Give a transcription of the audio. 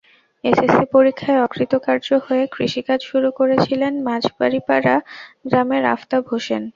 SSC পরীক্ষায় অকৃতকার্য হয়ে কৃষিকাজ শুরু করেছিলেন মাঝবাড়ীপাড়া গ্রামের আফতাব হোসেন।